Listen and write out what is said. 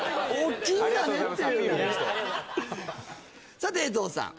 さて江藤さん